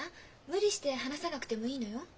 無理して話さなくてもいいのよ。